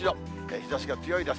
日ざしが強いです。